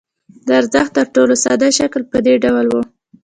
د ارزښت تر ټولو ساده شکل په دې ډول وو